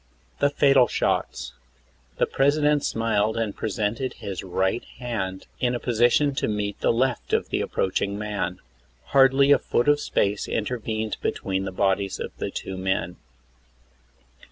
THE FATAL SHOTS. The President smiled and presented his right hand in a position to meet the left of the approaching man. Hardly a foot of space intervened between the bodies of the two men.